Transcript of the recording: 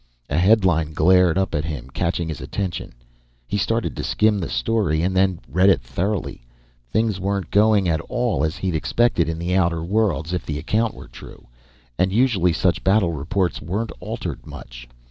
A headline glared up at him, catching his attention. He started to skim the story, and then read it thoroughly. Things weren't going at all as he'd expected in the Outer Worlds, if the account were true; and usually, such battle reports weren't altered much.